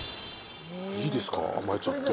いいですか甘えちゃって。